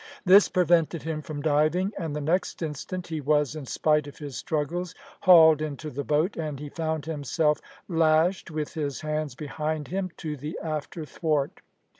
This prevented him from diving, and the next instant he was, in spite of his struggles, hauled into the boat, and he found himself lashed with his hands behind him to the after thwart.